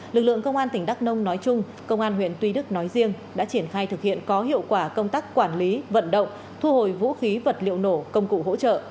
lực lượng công an tỉnh đắk nông nói chung công an huyện tuy đức nói riêng đã triển khai thực hiện có hiệu quả công tác quản lý vận động thu hồi vũ khí vật liệu nổ công cụ hỗ trợ